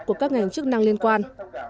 của các ngành chức năng liên quan